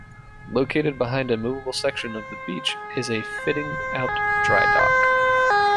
Located behind a movable section of the beach is a fitting out dry dock.